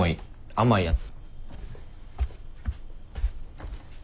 甘いやつ。